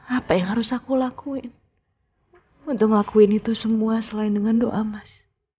apa yang harus aku lakuin untuk ngelakuin itu semua selain dengan doa mas